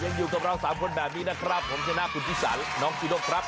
อยู่กับเรา๓คนแบบนี้นะครับผมชนะคุณพิสันน้องจูด้งครับ